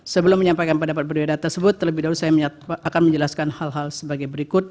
sebelum menyampaikan pendapat berbeda tersebut terlebih dahulu saya akan menjelaskan hal hal sebagai berikut